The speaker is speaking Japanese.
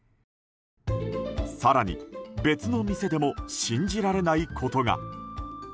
更に、別の店でも信じられないことが。